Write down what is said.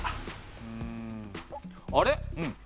うんあれ？